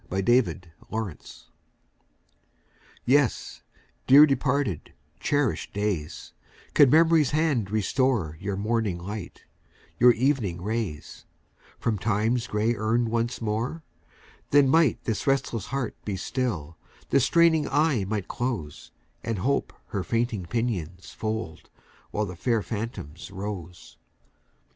DEPARTED DAYS YES, dear departed, cherished days, Could Memory's hand restore Your morning light, your evening rays, From Time's gray urn once more, Then might this restless heart be still, This straining eye might close, And Hope her fainting pinions fold, While the fair phantoms rose.